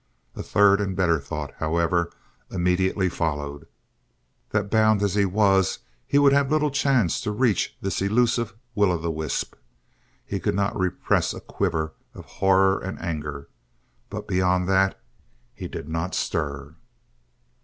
A third and better thought, however, immediately followed that bound as he was he would have little chance to reach this elusive will o' the wisp. He could not repress a quiver of horror and anger, but beyond that he did not stir.